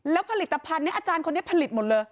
แล้วผลิตภัณฑ์อาจารย์คนนี้ผลิตหมดเลย